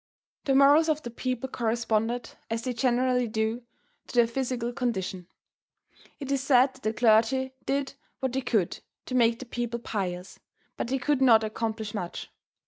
The morals of the people corresponded, as they generally do, to their physical condition. It is said that the clergy did what they could to make the people pious, but they could not accomplish much.